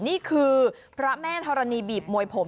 นี่คือพระแม่ธรณีบีบมวยผม